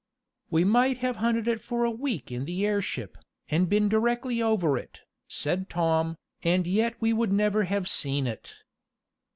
"We might have hunted for it a week in the airship, and been directly over it," said Tom, "and yet we would never have seen it."